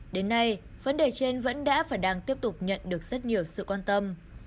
đến nay vấn đề trên vẫn đã và đang tiếp tục nhận được rất nhiều sự quan tâm